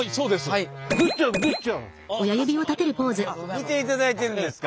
見ていただいてるんですか？